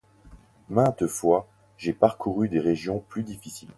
Maintes fois, j’ai parcouru des régions plus difficiles.